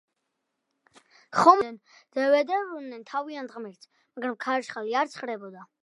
ხომალდზე მყოფნი ძლიერ შეშინდნენ და ევედრებოდნენ თავიანთ ღმერთებს, მაგრამ ქარიშხალი არ ცხრებოდა.